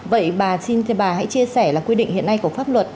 vậy bà xin thưa bà hãy chia sẻ là quy định hiện nay của pháp luật